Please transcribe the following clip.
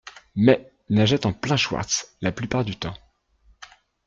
mais nageait en plein schwartz la plupart du temps.